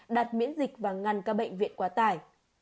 đặt miễn dịch và ngăn các bệnh viện quá tải